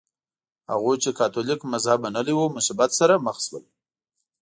هغوی چې کاتولیک مذهب منلی و مصیبت سره مخ شول.